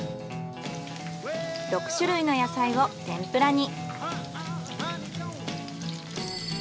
６種類の野菜を天ぷらに。